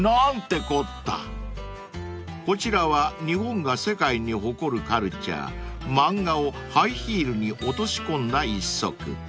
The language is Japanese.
［こちらは日本が世界に誇るカルチャー漫画をハイヒールに落とし込んだ一足］